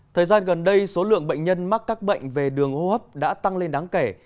thời gian gần đây số lượng bệnh nhân mắc các bệnh về đường hô hấp đã tăng lên đáng kể